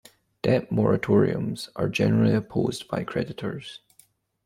Debt moratoriums are generally opposed by creditors.